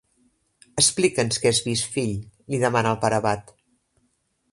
Explica'ns què has vist, fill —li demana el pare abat.